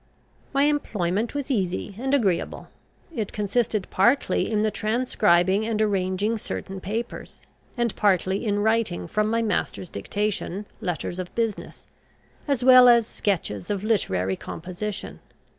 My employment was easy and agreeable. It consisted partly in the transcribing and arranging certain papers, and partly in writing from my master's dictation letters of business, as well as sketches of literary composition.